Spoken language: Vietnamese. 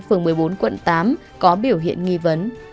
phường một mươi bốn quận tám có biểu hiện nghi vấn